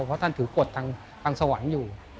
เพราะท่านถือกฎทางสวรรค์อยู่